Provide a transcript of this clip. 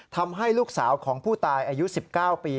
ทำให้ลูกสาวของผู้ตายอายุ๑๙ปี